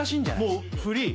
もうフリー？